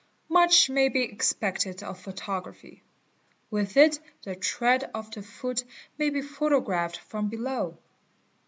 Much may be expected of photography; with it the tread of the foot. may be photographed from below.